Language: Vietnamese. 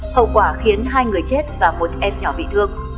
hậu quả khiến hai người chết và một em nhỏ bị thương